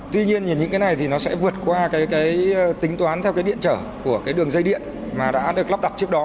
tuy nhiên những cái này sẽ vượt qua tính toán theo điện trở của đường dây điện mà đã được lắp đặt trước đó